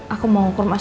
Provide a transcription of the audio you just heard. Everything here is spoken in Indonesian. aku boleh titip rena gak